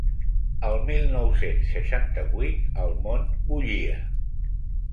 El mil nou-cents seixanta-vuit el món bullia.